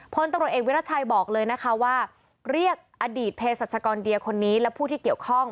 พลตำรวจเอกวิรัชัยบอกเลยนะคะว่าเรียกอดีตเพศรัชกรเดียคนนี้และผู้ที่เกี่ยวข้อง